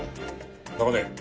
中根